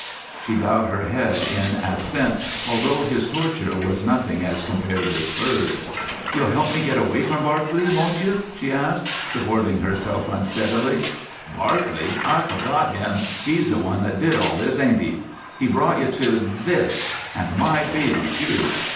She bowed her head in assent, although his torture was nothing as compared with hers. "You'll help me get away from Barclay, won't you?" she asked, supporting herself unsteadily. "Barclay! I forgot him! He's the one that did all this, ain't he? He brought you to this; and my baby, too.